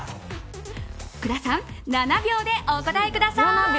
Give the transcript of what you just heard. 福田さん、７秒でお答えください。